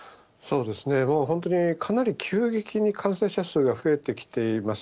もう本当に、かなり急激に感染者数が増えてきています。